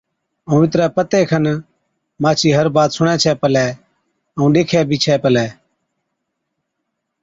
ائُون اُترَي پتَي کن مانڇِي هر بات سُڻَي ڇَي پلِي ائُون ڏيکَي بہ ڇَي پلِي۔